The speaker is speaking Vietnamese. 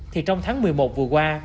thì trong tháng một mươi một vừa qua